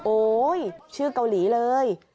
โอ๊ยชื่อเกาหลีเลย